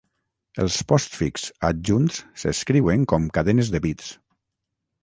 Els postfix adjunts s'escriuen com cadenes de bits.